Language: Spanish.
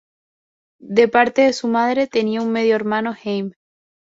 De parte de su madre, tenía un medio hermano, Hamed.